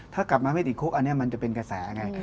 ถ้ากลับมาไม่ติดคุกอันนี้มันจะเป็นกระแสไง